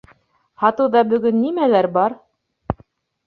Һатыуҙа бөгөн нимәләр бар?